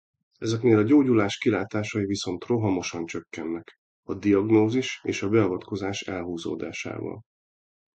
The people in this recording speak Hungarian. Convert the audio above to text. Ezeknél a gyógyulás kilátásai viszont rohamosan csökkennek a diagnózis és a beavatkozás elhúzódásával.